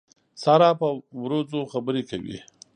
سارا په وروځو خبرې کوي.